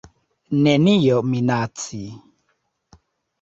Nenio minaci.